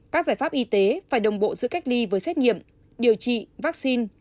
các giải pháp y tế phải đồng bộ giữa cách ly với xét nghiệm điều trị vaccine